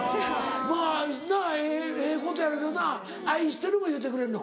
まぁなええことやろけどな「愛してる」も言うてくれんの？